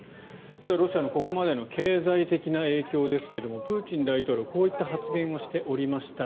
ロシアのここまでの経済的な影響ですけどプーチン大統領こういった発言をしておりました。